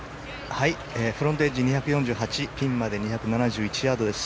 フロントエッジ２４８ピンまで２７１ヤードです。